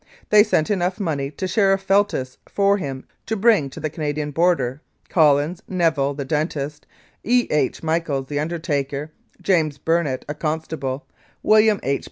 They sent enough money to Sheriff Feltis for him to bring to the Canadian border Collins, Neville, the dentist; E. H. Michaels, the undertaker; James Burnett, a constable; William H.